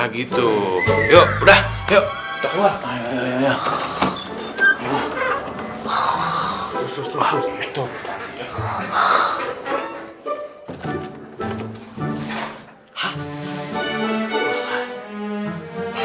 gitu yuk udah yuk